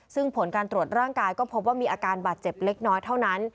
ซึ่งผลการตรวจร่างกายก็พบว่ามีอาการบาดเจ็บเล็กน้อยเท่านั้น